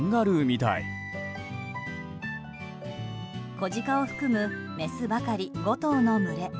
小鹿を含むメスばかり５頭の群れ。